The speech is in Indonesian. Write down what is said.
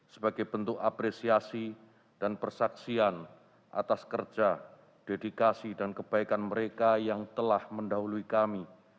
sebagai bentuk apresiasi dan persaksian atas kerja dedikasi dan kebaikan mereka yang telah mendahului kami